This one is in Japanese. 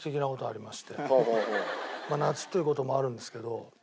夏という事もあるんですけど。